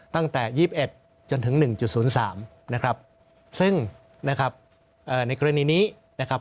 ตั้งแต่๒๑จนถึง๑๐๓นะครับซึ่งนะครับในกรณีนี้นะครับ